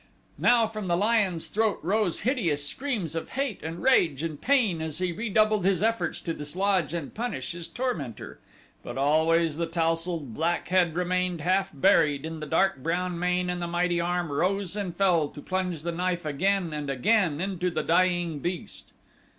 Now from the lion's throat rose hideous screams of hate and rage and pain as he redoubled his efforts to dislodge and punish his tormentor; but always the tousled black head remained half buried in the dark brown mane and the mighty arm rose and fell to plunge the knife again and again into the dying beast.